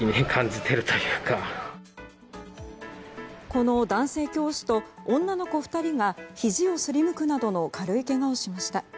この男性教師と女の子２人がひじをすりむくなどの軽いけがをしました。